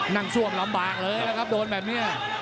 นั่งส่วมล้ำบากเลยนะครับโดนแบบเนี้ย